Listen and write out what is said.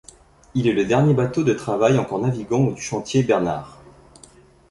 Il est le dernier bateau de travail encore naviguant du chantier Bernard.